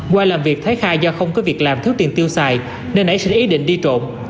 qua làm việc thái khai do không có việc làm thứ tiền tiêu xài nên ấy xin ý định đi trộm